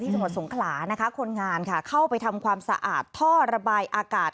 จังหวัดสงขลานะคะคนงานค่ะเข้าไปทำความสะอาดท่อระบายอากาศ